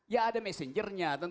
ya ada messengernya